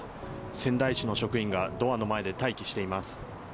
仙台市の職員がドアの前で待機しています。